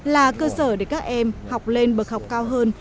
là cơ sở để các em học lên bậc học cao hơn